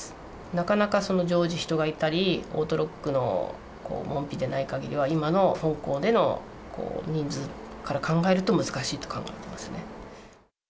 なかなか常時人がいたり、オートロックの門扉でない限りは、今の本校での人数から考えると難しいと考えてますね。